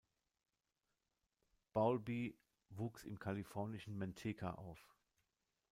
Bowlby wuchs im kalifornischen Manteca auf.